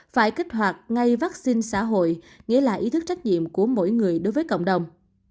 phải kích hoạt ngay vaccine xã hội nghĩa là ý thức trách nhiệm của mỗi người đối với cộng đồng